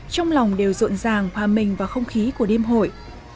trong lòng đều rộn ràng hòa mình vào không khí của đêm hội